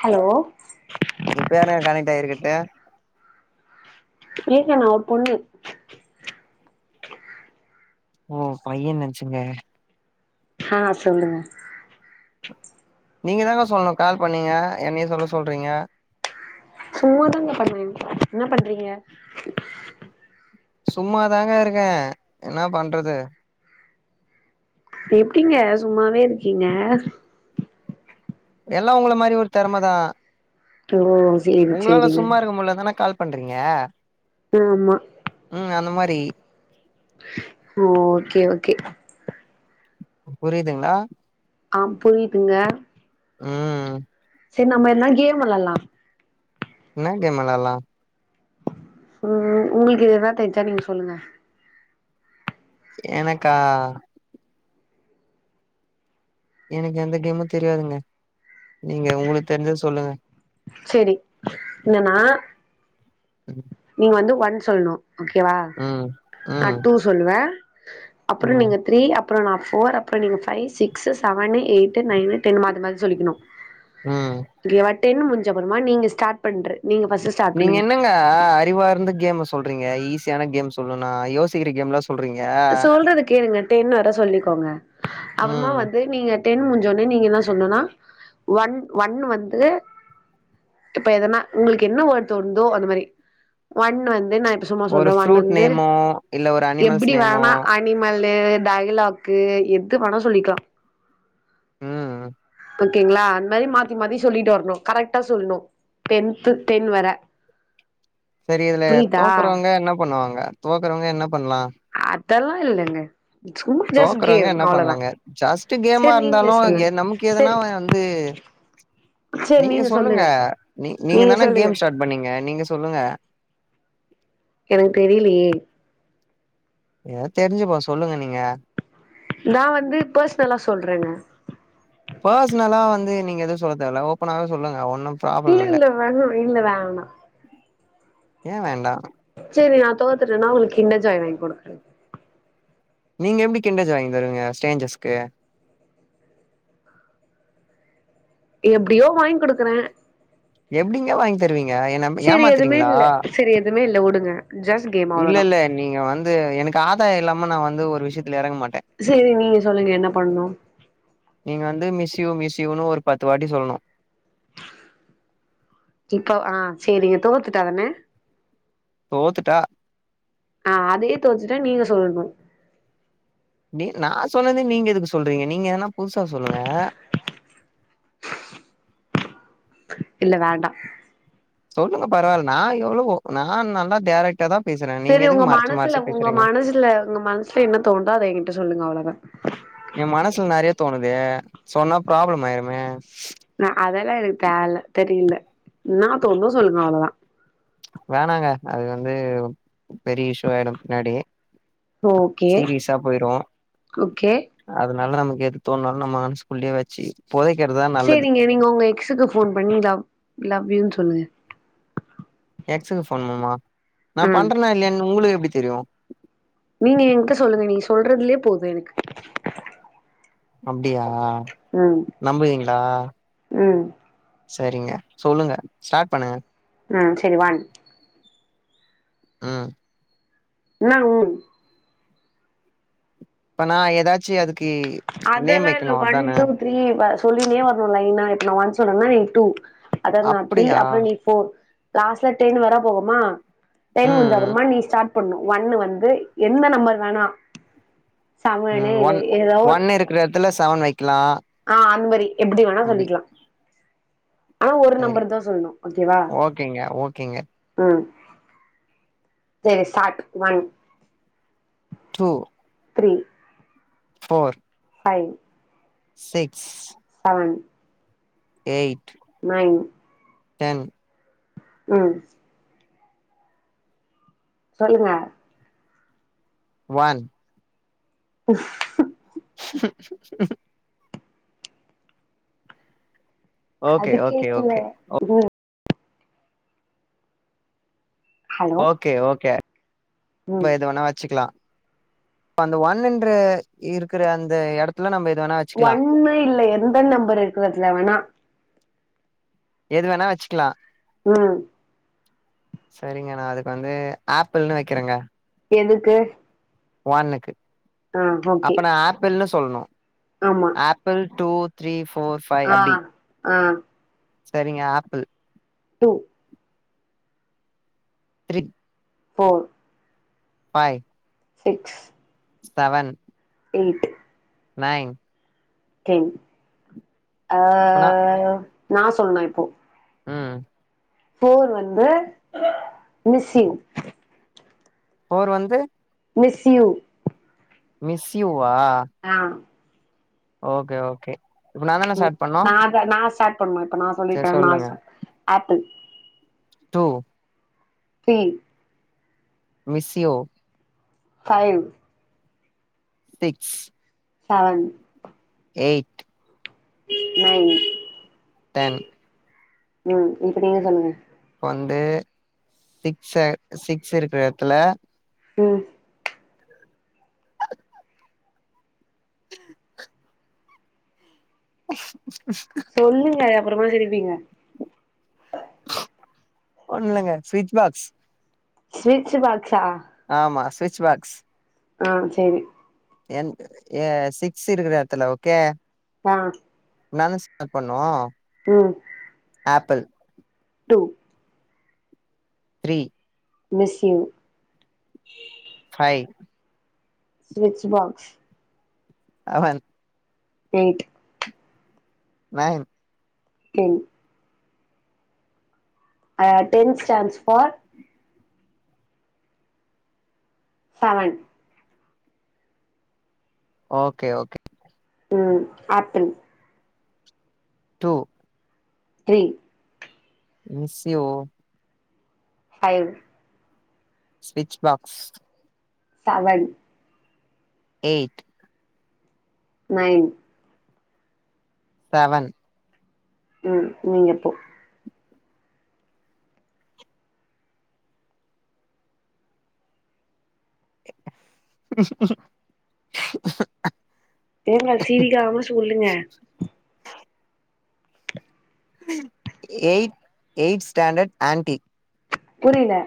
hello இப்பாருங்க connect ஆயிருக்கட்டு ஏங்க நா ஒரு பொண்ணு ஓ பையன் நென்ச்சங்க ஆ சொல்லுங்க நீங்க தாங்க சொல்லணு கால் பண்ணீங்க என்னைய சொல்ல சொல்றீங்க சும்மாதாங்க பண்ண என்ன பண்றீங்க சும்மாதாங்க இருக்க என்ன பண்றது எப்டிங்க சும்மாவே இருக்கீங்க எல்லா உங்கள மாரி ஒரு தெறமதா ம் உங்களால சும்மா இருக்க முடிலன் தான கால் பண்றிங்க ஆமா உம் அந்த மாரி ஓ ஓகே ஓகே புரியுதுங்களா ஆ புரியுதுங்க ம் செர் நம்ம எதனா கேம் வெளாட்லா என்ன கேம் வெளாடலா உம் உங்களுக்கு எதுதா தெஞ்சா நீங்க சொல்லுங்க எனக்கா எனக்கு எந்த கேமும் தெரியாதுங்க நீங்க உங்களுக்கு தெரிஞ்சத சொல்லுங்க சரி என்னன்னா நீங்க வந்து ஒன் சொல்லணு ஓகேவா ம் நா ம் டூ சொல்லுவே அப்பறோ ம் நீங்க த்ரீ அப் அப்றோ நா ஃபோர் அப்றோ நீங்க five six seven eight nine ten மாத்தி மாத்தி சொல்லிக்கணு ம் இங்கெயெவா டென் முடிஞ்சப்றமா நீங்க ஸ்டார்ட் பண்று நீங்க ஃபர்ஸுஸ் நீங்க என்னங்க அறிவா இருந்து கேம் சொல்றீங்க ஈஸியான கேம் சொல்லுனா யோசிக்கிற கேம் எல்லா சொல்றீங்க சொல்றத கேளுங்க டென் வர சொல்லிக்கோங்க அப்பறமா ம் வந்து நீங்க டென் முடிஞ்சொடனே நீங்க என்ன சொல்னுனா ஒன் ஒன் வந்து இப்ப எதனா உங்களுக்கு என்ன வேர்ட் தோண்தோ அந்த மாரி ஒன் வந்து நா இப் சும்மா ஒரு சொல்ற ஒன் ஃப்ரூட் வந்து நேமோ இல்ல ஒரு அனிமல்ஸ் எப்பிடி வே நேமோ அனிமல்லு டயலாக்கு எது வேணா சொல்லிக்கலா ம் ஓகேங்ளா அந்த மாரி மாத்தி மாத்தி சொல்லிட்டு வரணு கரெக்டா சொல்னு டென்த்து டென் வர [inaudible] சரி இதுல புரியுதா தோக்கறவங்க என்ன பண்ணுவாங்க தோக்கறவங்க என்ன பண்லா அதெல்லா இல்லேங்க தோக்கறவங்க என்ன பண்ணலாங்க ஜாஸ்ட் கேமா சேரி நீங்களே இருந்தாலு எ சொல்லுங்க நமக்கு எதனா சேரி இது நீங்க சொல்லுங்க நீ நீங்க நீங்கதான சொல்லுங்க கேம் ஸ்டார்ட் பண்ணிங்க நீங்க சொல்லுங்க எனக்கு தெரியலையே ஏதா தெரிஞ்சுப்போ சொல்லுங்க நீங்க நான் வந்து பர்சனலா சொல்றங்க பர்சனலா வந்து நீங்க எதுவு சொல்லத் தேவயில்ல ஓப்பனாவே சொல்லுங்க ஒன்னு ப்ராப்ளம் இல்ல வேணா இல்ல வேணா ஏன் வேண்டா சேரி நா தோத்துடன்ன உங்களுக்கு கின்டர்ஜாய் வாங்கி குடுக்றே நீங்க எப்டி கிண்டர்ஜாய் வாங்கி தருவீங்க ஸ்ட்ரேன்ஜர்ஸ்க்கு எப்டியோ வாங்கி குடுக்கறன் எப்டிங்க வாங்கி தருவீங்க என்ன சேரி எதுவுமே ஏமாத்துறீங்ளா இல்ல சேரி எதுவுமே இல்ல வுடுங்க ஜெஸ்ட் கேம் இல்ல அவ்ளோதா இல்ல நீங்க வந்து எனக்கு ஆதாயோ இல்லாம நா வந்து ஒரு விஷயத்துல எறங்க மாட்டே சரி நீங்க சொல்லுங்க என்ன பண்ணனு நீங்க வந்து மிஸ்யூ மிஸ்யூன்னு ஒரு பத்து வாட்டி சொல்லணு இப்ப ஆ செரிங்க தோத்துடாதனே தோத்துட்டா ஆ அதயே தோத்துட்டா நீங்க சொல்லணு டே நான் சொன்னது நீங்க எதுக்கு சொல்றீங்க நீங்க எதுன்னா புதுசா சொல்லுங்க இல்ல வேண்டா சொல்லுங்க பரவால்ல நான் எவ்ளவோ நான் நல்லா டைரக்டாதான் பேசறன் நீங்க எதுக்கு மறைச்சு மறைச்சு பேசறீங்க இத்ல உங்க மனசுல என்ன தோணுதோ அத என்கிட்ட சொல்லுங்க அவ்ளதான் என் மனசுல நெறையா தோணுது சொன்னா ப்ராப்ளம் ஆயிருமே நான் அதெல்லா எனக்கு தேவையில்ல தெரியல என்னா தோணுதோ சொல்லுங்க அவ்வளோதான் வேணாங்க அது வந்து பெரிய இஷ்யு ஆயிடு பின்னாடி ஓகே சீரியஸா போயிரு ஓகே அதனால நமக்கு எது தோணாலு நம்ம மனசுக்குள்ளயே வச்சு பொதைக்கிறதானா செரிங்க நீங்கள் உங்க எக்ஸுக்கு ஃபோன் பண்ணி லவ் லவ்யூனு சொல்லுங்க எக்ஸுக்கு ஃபோன் பண்ணுமா நா ம் பண்றனா இல்லையான்னு உங்களுக்கு எப்டி தெரியு நீங்க என்கிட்ட சொல்லுங்க நீ சொல்றதுலயே போதும் எனக்கு அப்டியா ம் நம்புவீங்களா ம் செரிங்க சொல்லுங்க ஸ்டார்ட் பண்ணுங்க ம் செரி ஒன் ம் என்ன ம் இப்ப நா ஏதாச்சி அதுக்கு நேம் அதெல்லா வைக்கணு இல்ல ஒன் அதான டூ த்ரீ சொல்லினே வரணு லைனா இப்ப நா ஒன் சொன்னேனா நீங்க டூ அதாவது நா த்ரீ அப்டியா அப்பறம் நீ போர் லாஸ்ட்ல டென் வரா போவமா டென் முடிஞ்ச ம் அப்றமா நீ ஸ்டார்ட் பண்ணும் ஒன்னு வந்து எந்த நம்பர் வேணா சமனு ம் இல்ல ஒன் ஏதோ ஒரு ஒன் இருக்கிற எடத்துல செவன் வைக்கலா ஆ அந்த மாரி எப்படி வேணா அப்டி சொல்லிக்கலா ஆனா ஒரு சரி நம்பர் தா சொல்லணு ஓகேவா ஓகேங்க ஓகேங்க ம் செரி chat one two three four five six seven eight nine ten ம் சொல்லுங்க ஒன் உஃப் [inaudible] ஓகே அது ஓகே கேக்கல ஓகே ஹலோ ஓகே ஓகே ம் இப்ப எது வேணா வச்சுக்கலா இப்ப அந்த ஒன்னுன்ற இருக்குற அந்த எடத்துல நம்ப எது வேணா வச்சுக்கலா ஒன்னு இல்ல எந்த நம்பர் இருக்குற இடத்துல வேணா எது வேணா வச்சுக்கலா ம் செரிங்க நா அதுக்கு வந்து ஆப்பிள்ன்னு வக்கிறங்க எதுக்கு வான்னக்கு ஆ ஓகே அப்ப நா ஆப்பிள்னு சொல்ணு ஆமா apple two three four five ஆ அப்டி ஆ சரிங்க apple two three four hi six seven eight nine ten ஆ இப்பனா நா சொல்னு இப்போ ம் ஃபிளோர் வந்து மிஸ்ஸிங் ஓர் வந்து மிஸ் யூ மிஸ்யூவா ஆ ஓகே ஓகே இப்ப நா தான ஸ்டார்ட் பண்ணு நா இப்ப நா ஸ்டாட் பண்ணு இப்ப நா சரி சொல்லிட்ட நா சொல்லுங்க சா apple two three miss you five six seven eight nine ten ம் இப்டியே சொல்லுங்க வந்து சிக்ஸ்ஸ சிக்ஸ் இருக்குற எடத்துல ம் [unintelligible] சொல்லுங்க அப்றமா சிரிப்பீங்க ஒண்ணங்க ஸ்விட்ச் பாக்ஸ் ஸ்வீட்ஸ் பாக்ஸா ஆமா ஸ்விச் பாக்ஸ் ஆ சேரி என் ஏ சிக்ஸ் இருக்கற எடத்துல ஓகே அ நாந்தான் ஸ்சாட் பண்ணூ ம் apple two three miss you five switch box seven eight nine ten ten stands for seven okay okay ம் apple two three miss you O five switch box seven eight nine seven ம் நீங்க இப்போ [unintelligible] ஏங்க சிரிக்காம சொல்லுங்க eight eight standard aunty புரில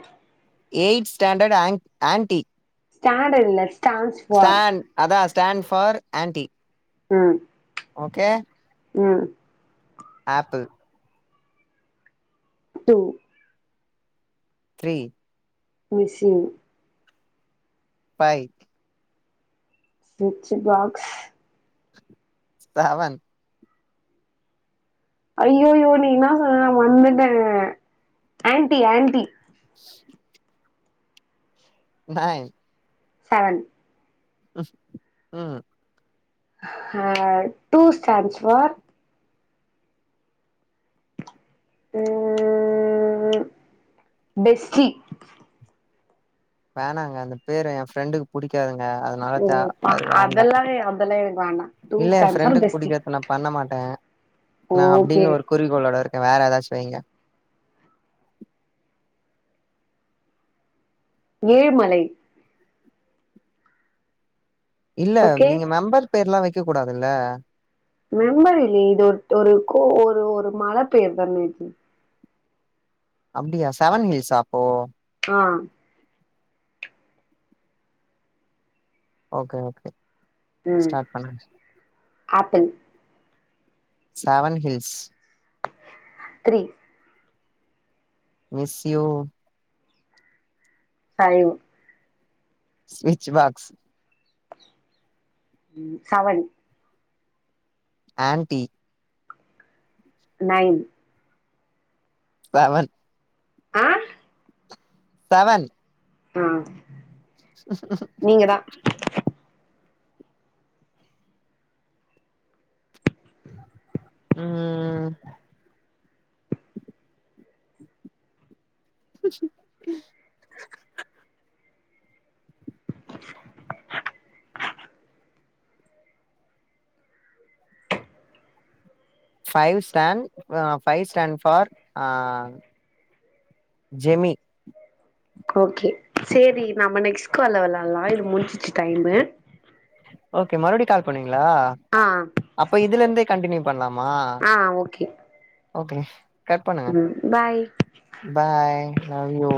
eight standard on aunty stayed என்லஸ் stand அதா stand for aunty ம் ஓகே ம் ஆப்பிள் டூ த்ரீ மிஷின் பாய் ஸ்விட்ச் பாக்ஸ் சேவன் ஐயோயோ நீ என்ன சொன்ன நா மந்துட்டே ஆன்டி ஆன்டி [inaudible] நைன் செவன் ம் ஆ டூ ஸ்டான்ஸ் ஃபார் ம்ம்ம்ம்ம் பெஸ்சி வேணாங்க அந்த பேரு ஏ ஃப்ரெண்டுக்கு புடிக்காதுங்க அது நாள ஓ தே பா அது வேண்டா அதெல்லா அதெல்லா எனக்கு வேண்டா டூ இல்ல எ ஸ்டாண்ட்ஸ் ஃபார் ஃப்ரெண்டுக்கு பெஸ்டி பிடிக்கதுன பண்ண மாட்டே நா ஓகே அப்டின்னு ஒரு குறிக்கோளோட இருக்கே வேற எதாச்சு‌ வைங்க ஏழுமலை இல்ல ஓகே நீங்க மெம்பர் பேர்ல்லா வக்க கூடாதுல்ல மெம்பர் இல்லியே இது ஒரு ஒரு கோ ஒரு ஒரு மல பெயரு தான இது அப்டியா செவன் ஹில்ஸா அப்போ ம் ஓகே ஓகே ம் ஸ்டார்ட் பண்ண apple seven hills three miss you time switch box seven aunty nine seven ஆ செவன் ம் [inaudible] ம் [inaudible] [inaudible] ஃபைவ் ஸ்டாண்ட் அ பைவ் ஸ்டாண்ட் ஃபார் ஆ ஜெமி ஓகே சேரி நாம நெக்ஸ்ட் கால்ல வெளாட்லா‌ இது முடிஞ்ச்சி டைமு ஓகே மறுபுடியு கால் பண்ணுவீங்களா ஆ அப்ப இதுல இருந்தே கண்டினியூ பண்லாமா ஆ ஓகே ஓகே கட் பண்ணுங்க ம் பாய் பாய் லவ்யூ